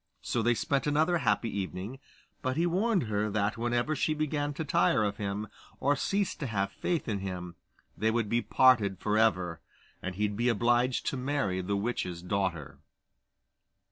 So they spent another happy evening, but he warned her that whenever she began to tire of him, or ceased to have faith in him, they would be parted for ever, and he'd be obliged to marry the witch's daughter.